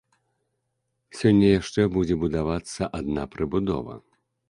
Сёння яшчэ будзе будавацца адна прыбудова.